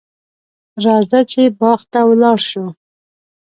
راځه چې باغ ته ولاړ شو.